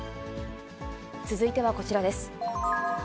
続いてはこちらです。